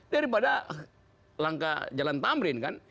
daripada langkah jalan tamrin kan